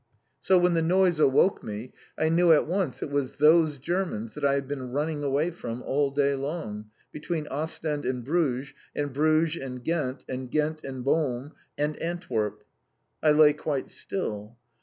So, when the noise awoke me, I knew at once it was those Germans that I had been running away from all day long, between Ostend and Bruges, and Bruges and Ghent, and Ghent and Boom, and Antwerp. I lay quite still.